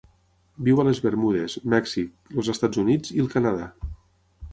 Viu a les Bermudes, Mèxic, els Estats Units i el Canadà.